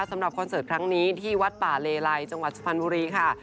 คอนเสิร์ตครั้งนี้ที่วัดป่าเลไลจังหวัดสุพรรณบุรีค่ะ